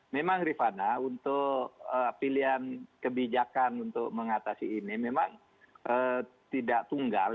memang rifana untuk pilihan kebijakan untuk mengatasi ini memang tidak tunggal